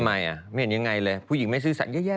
ไม่เห็นยังไงเลยผู้หญิงไม่ซื้อสัตว์แย่ไป